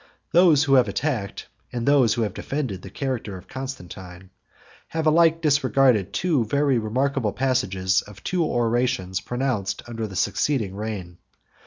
Those who have attacked, and those who have defended, the character of Constantine, have alike disregarded two very remarkable passages of two orations pronounced under the succeeding reign.